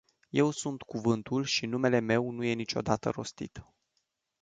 Eu sunt cuvântul și numele meu nu e niciodată rostit.